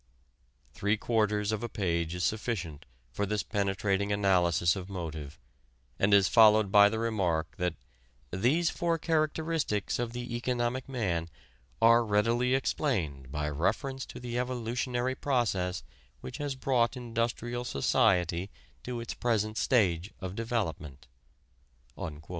Three quarters of a page is sufficient for this penetrating analysis of motive and is followed by the remark that "these four characteristics of the economic man are readily explained by reference to the evolutionary process which has brought industrial society to its present stage of development."